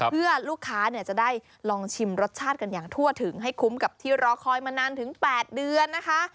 เพื่อลูกค้าจะได้ลองชิมรสชาติกันอย่างทั่วถึงให้คุ้มกับที่รอคอยมานานถึง๘เดือนนะคะ